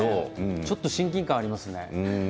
ちょっと親近感があります。